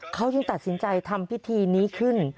เขาจึงตัดสินใจทำพิธีนี้ขึ้น